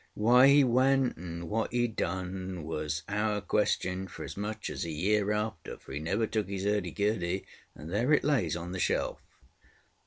Why he went and what he done was our question for as much as a year after; for he never took his ŌĆÖurdy gurdy, and there it lays on the shelf.